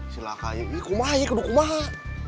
silahkan ini kumaha ya kuduk kumaha